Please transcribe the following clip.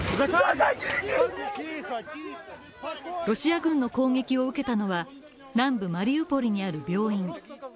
ロシア軍の攻撃を受けたのは南部マリウポリにある病院。